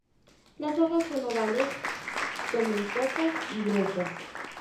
Las hojas son ovales, tomentosas y gruesas.